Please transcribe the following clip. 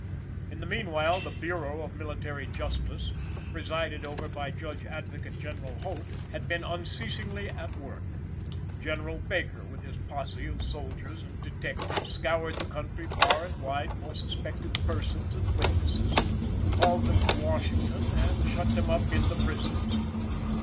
In the meanwhile the Bureau of Military Justice, presided over by Judge Advocate General Holt, had been unceasingly at work. General Baker with his posse of soldiers and detectives scoured the country far and wide for suspected persons and witnesses, hauled them to Washington and shut them up in the prisons.